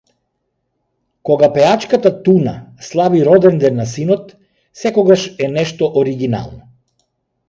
Кога пејачата Туна слави роденден на синот, секогаш е нешто оргинално